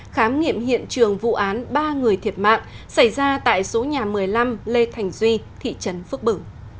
khám nghiệm hiện trường vụ án ba người thiệt mạng xảy ra tại số nhà một mươi năm lê thành duy thị trấn phước bử